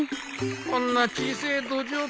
こんな小せえドジョウ